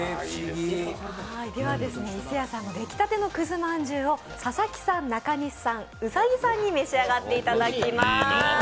では、伊勢屋さんの出来たてくずまんじゅうを佐々木さん、中西さん、兎さんに召し上がっていただきます。